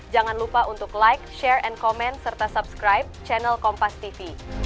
jangan lupa untuk like share and comment serta subscribe channel kompastv